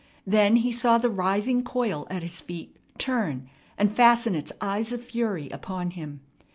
Then he saw the writhing coil at his feet turn and fasten its eyes of fury upon him.